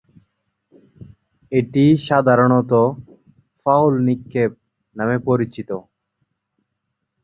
এটি সাধারণত "ফাউল নিক্ষেপ" নামে পরিচিত।